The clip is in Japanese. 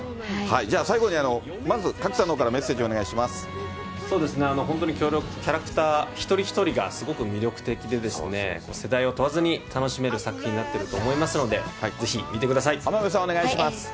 じゃあ最後に、まず賀来さんのほうからメッセージをお願いしそうですね、本当にキャラクター一人一人がすごく魅力的でですね、世代を問わずに楽しめる作品になってると思いますので、ぜひ見て浜辺さん、お願いします。